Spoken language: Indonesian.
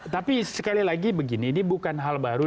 tapi sekali lagi begini ini bukan hal baru